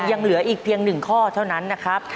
ยังเหลืออีกเพียง๑ข้อเท่านั้นนะครับ